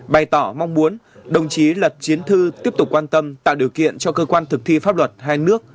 bày tỏ mong muốn đồng chí lật chiến thư tiếp tục quan tâm tạo điều kiện cho cơ quan thực thi pháp luật hai nước